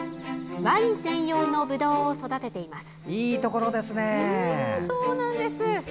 ワイン専用のぶどうを育てています。